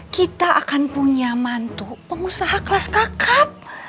kita akan punya mantu pengusaha kelas kakap